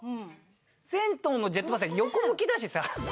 銭湯のジェットバスは横向きだしさ。